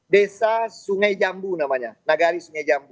desa sungai jambu namanya nagari sungai jambu